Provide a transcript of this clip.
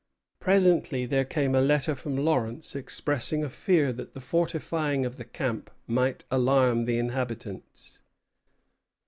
Presently there came a letter from Lawrence expressing a fear that the fortifying of the camp might alarm the inhabitants.